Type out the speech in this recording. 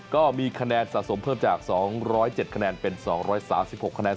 ก็มีคะแนนสะสมเพิ่มจาก๒๐๗คะแนนเป็น๒๓๖คะแนน